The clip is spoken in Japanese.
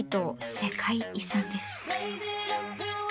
世界遺産です！